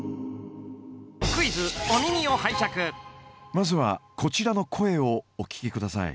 まずはこちらの声をお聞きください。